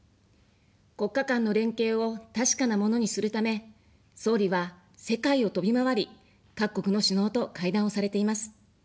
国家間の連携を確かなものにするため、総理は世界を飛び回り、各国の首脳と会談をされています。